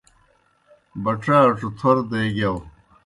بڇاڇوْ تھور دے گِیاؤ۔